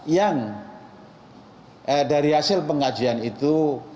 yang dari hasil pengajian itu